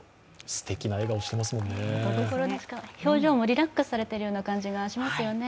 心なしか表情もリラックスされている感じがしますよね。